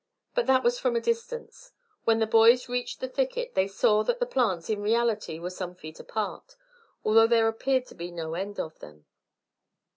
But that was from a distance. When the boys reached the thicket they saw that the plants in reality were some feet apart, although there appeared to be no end to them.